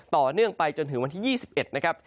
ต่อเนื่องไปจนถึงวันที่๒๑นะครับ